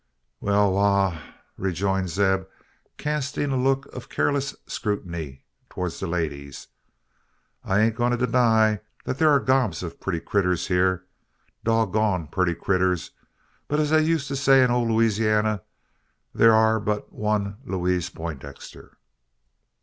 "Wal, wal!" rejoined Zeb, casting a look of careless scrutiny towards the ladies, "I ain't a goin' to deny thet thur air gobs o' putty critters hyur dog goned putty critters; but es they used to say in ole Loozyanney, thur air but one Lewaze Peintdexter."